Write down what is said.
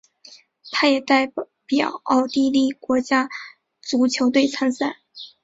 他也代表奥地利国家足球队参赛。